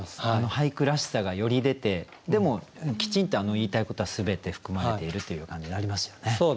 俳句らしさがより出てでもきちんと言いたいことは全て含まれているという感じになりますよね。